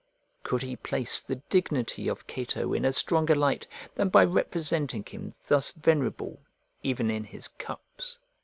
Could he place the dignity of Cato in a stronger light than by representing him thus venerable even in his cups?